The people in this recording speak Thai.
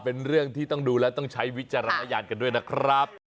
เป็นเรื่องที่ต้องดูแล้วต้องใช้วิจารณญาณกันด้วยนะครับ